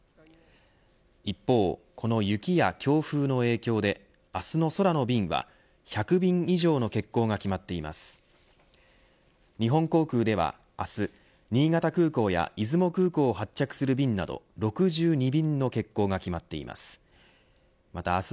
一方、この雪や強風の影響で明日の空の便は１００便以上の欠航が決まっています。